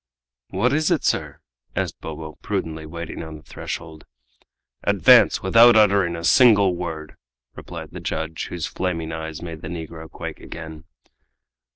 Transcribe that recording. "What is it, sir?" asked Bobo, prudently waiting on the threshold. "Advance, without uttering a single word!" replied the judge, whose flaming eyes made the negro quake again.